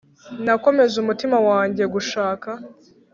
Nakomeje umutima wanjye gushaka